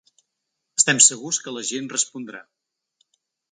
Estem segurs que la gent respondrà.